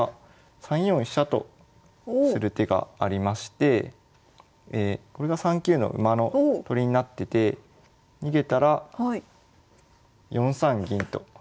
３四飛車とする手がありましてこれが３九の馬の取りになってて逃げたら４三銀と。